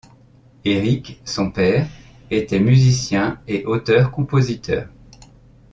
Eric, son père, était musicien et auteur-compositeur.